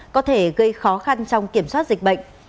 có thể gây khó khăn trong kiểm soát dịch bệnh